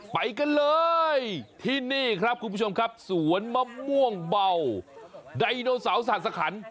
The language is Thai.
ไปกันเลยที่นี่ครับคุณผู้ชมครับสวนมะม่วงเบาไดโนเสาร์ศาสขัน